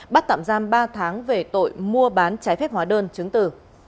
các tạm giam ba tháng về tội mua bán trái phép hóa đơn chứng từ